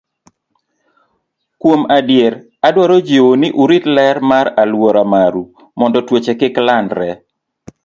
Kuom adier, adwaro jiwou ni urit ler mar alwora maru mondo tuoche kik landre.